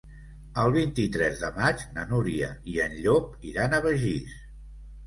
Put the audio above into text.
El vint-i-tres de maig na Núria i en Llop iran a Begís.